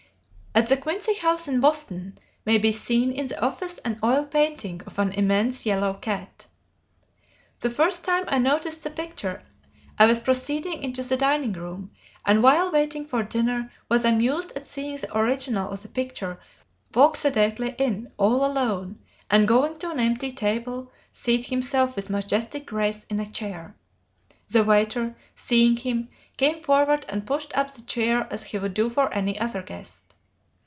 At the Quincy House in Boston may be seen in the office an oil painting of an immense yellow cat. The first time I noticed the picture, I was proceeding into the dining room, and while waiting for dinner, was amused at seeing the original of the picture walk sedately in, all alone, and going to an empty table, seat himself with majestic grace in a chair. The waiter, seeing him, came forward and pushed up the chair as he would do for any other guest.